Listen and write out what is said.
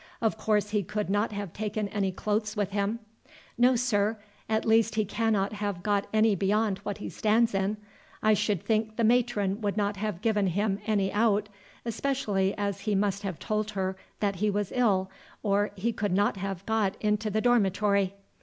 Of course he could not have taken any clothes with him?" "No, sir; at least he cannot have got any beyond what he stands in. I should think the matron would not have given him any out, especially as he must have told her that he was ill, or he could not have got into the dormitory."